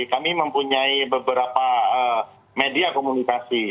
kami mempunyai beberapa media komunikasi